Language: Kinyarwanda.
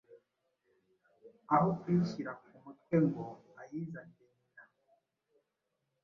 aho kuyishyira ku mutwe ngo ayizanire nyina,